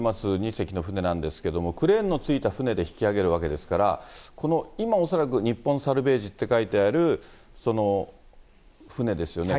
２隻の船なんですけれども、クレーンのついた船で引き揚げるわけですから、この今、恐らく、ニッポンサルベージって書いてある船ですよね。